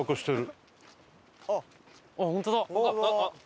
あっ本当だ。